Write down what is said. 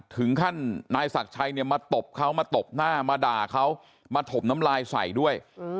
ถึงขั้นนายศักดิ์ชัยเนี่ยมาตบเขามาตบหน้ามาด่าเขามาถมน้ำลายใส่ด้วย